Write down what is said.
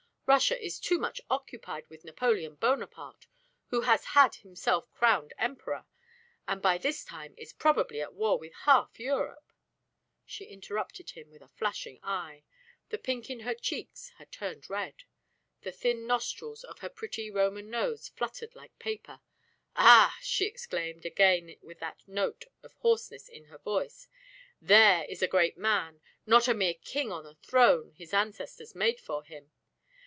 Russia is too much occupied with Napoleon Bonaparte, who has had himself crowned Emperor, and by this time is probably at war with half Europe " She interrupted him with flashing eye. The pink in her cheeks had turned red. The thin nostrils of her pretty Roman nose fluttered like paper. "Ah!" she exclaimed, again with that note of hoarseness in her voice. "There is a great man, not a mere king on a throne his ancestors made for him.